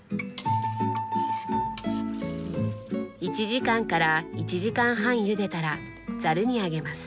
１時間から１時間半ゆでたらざるにあげます。